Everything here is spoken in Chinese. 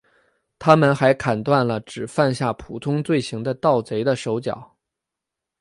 他们还砍断只犯下普通罪行的盗贼的手脚。